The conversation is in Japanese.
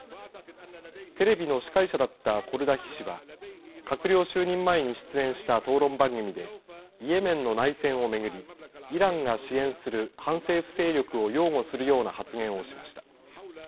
テレビの司会者だったコルダヒ氏は閣僚就任前に出演した討論番組でイエメンの内戦を巡りイランが支援する反政府勢力を擁護するような発言をしました。